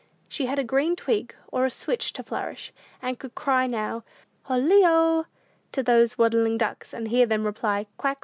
She had a green twig or a switch to flourish, and could now cry, "Hullelo!" to those waddling ducks, and hear them reply, "Quack!